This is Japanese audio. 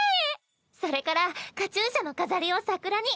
それからカチューシャの飾りを桜に。